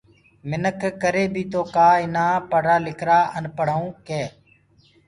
مِنک ڪري بيٚ تو ڪآ ايٚنآ پڙهرآ لکرآ انپهڙآئونٚ ڪي